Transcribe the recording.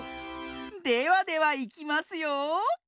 ではではいきますよ。